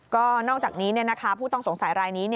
ก็นอกจากนี้ผู้ต้องสงสัยรายนี้